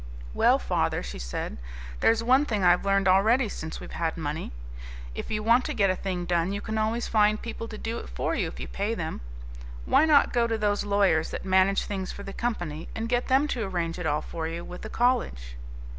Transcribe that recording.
"Well, father," she said, "there's one thing I've learned already since we've had money. If you want to get a thing done you can always find people to do it for you if you pay them. Why not go to those lawyers that manage things for the company and get them to arrange it all for you with the college?"